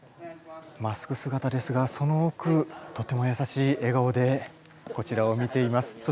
マスクすがたですがそのおくとてもやさしい笑顔でこちらを見ています。